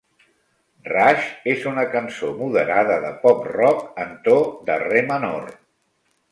"Rush" és una cançó moderada de pop rock en to de re menor.